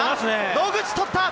野口、取った！